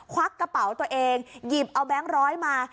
ควักกระเป๋าตัวเองหยิบเอาแบงค์ร้อยมา